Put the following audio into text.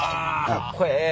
かっこええ。